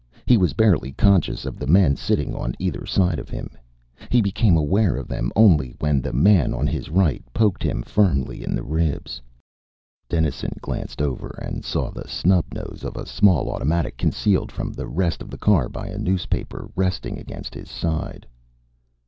He was barely conscious of the men sitting on either side of him. He became aware of them only when the man on his right poked him firmly in the ribs. Dennison glanced over and saw the snub nose of a small automatic, concealed from the rest of the car by a newspaper, resting against his side.